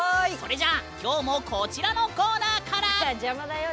それじゃあきょうもこちらのコーナーから！